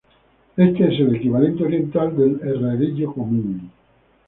Este es el equivalente oriental del herrerillo común.